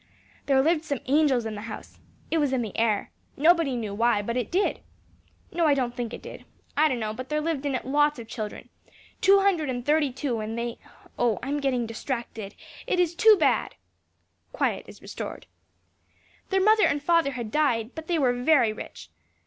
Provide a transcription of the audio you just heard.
There lived some angels in the house: it was in the air, nobody knew why, but it did. No: I don't think it did I dunno, but there lived in it lots of children two hundred and thirty two and they Oh! I'm gettin' distracted! It is too bad!" (Quiet is restored.) "Their mother and father had died, but they were very rich.